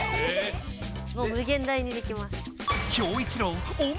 もうむげん大にできます。